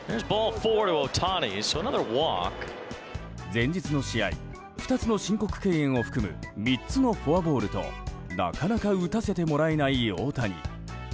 前日の試合２つの申告敬遠を含む３つのフォアボールとなかなか打たせてもらえない大谷。